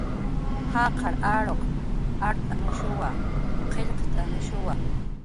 Jaqar aruq art'anushuwa, qillqt'anushuwa